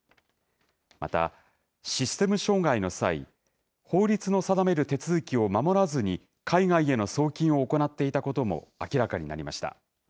また、システム障害の際、法律の定める手続きを守らずに、海外への送金を行っていたことも明らかになりました。